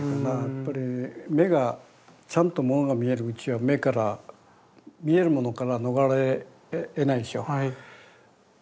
やっぱり目がちゃんとものが見えるうちは目から見えるものから逃れえないでしょう。